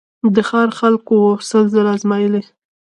د ښار خلکو وو سل ځله آزمېیلی